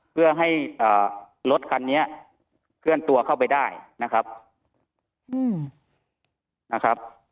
เพื่อให้รถคันนี้เคลื่อนตัวเข้าไปได้นะครับ